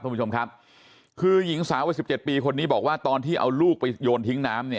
คุณผู้ชมครับคือหญิงสาว๑๗ปีคนนี้บอกว่าตอนที่เอาลูกไปโยนทิ้งน้ำ